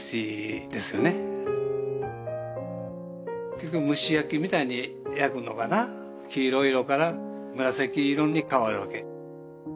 結局蒸し焼きみたいに焼くのかな黄色色から紫色に変わるわけ